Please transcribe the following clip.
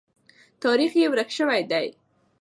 تاریخ یې ورک سوی دی.